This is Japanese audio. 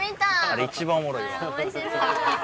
あれ一番おもろいわ。